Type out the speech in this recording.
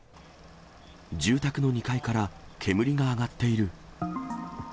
住宅の２階から煙が上がっている。